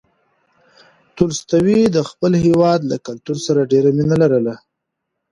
تولستوی د خپل هېواد له کلتور سره ډېره مینه لرله.